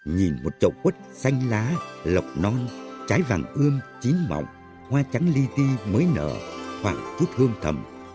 nhìn một chậu quất xanh lá lọc non trái vàng ươm chín mọc hoa trắng ly ti mới nở khoảng chút hương thầm